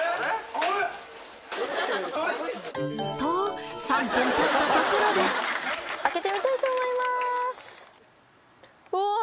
あれ？と３分たったところで開けてみたいと思いますおわっ！